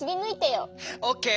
オッケー！